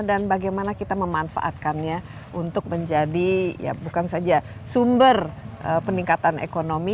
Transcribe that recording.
bagaimana kita memanfaatkannya untuk menjadi ya bukan saja sumber peningkatan ekonomi